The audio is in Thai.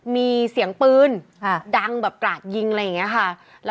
มีเสียงปืนดังแบบกราดยิงอะไรอย่างนี้ค่ะ